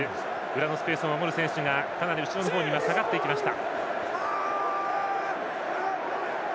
裏のスペースを守る選手がかなり後ろの方に下がっていきました。